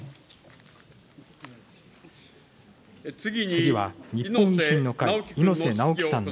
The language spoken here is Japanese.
次は日本維新の会、猪瀬直樹さん